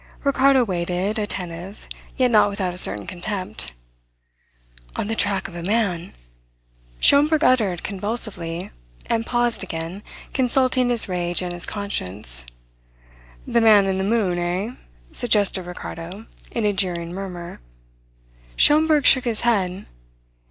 Ricardo waited, attentive, yet not without a certain contempt. "On the track of a man!" Schomberg uttered convulsively, and paused again, consulting his rage and his conscience. "The man in the moon, eh?" suggested Ricardo, in a jeering murmur. Schomberg shook his head.